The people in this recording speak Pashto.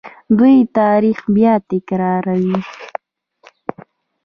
دوی تاریخ بیا تکراروي.